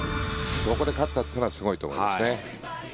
そこで勝ったというのはすごいと思いますね。